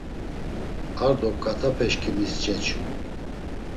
Ar do ǩatapeşǩimis ceçu.